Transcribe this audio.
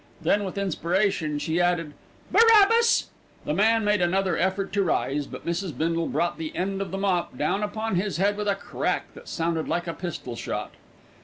Then, with inspiration, she added "Barabbas." The man made another effort to rise; but Mrs. Bindle brought the end of the mop down upon his head with a crack that sounded like a pistol shot.